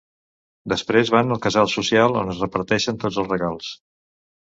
Després van al Casal Social on es reparteixen tots els regals.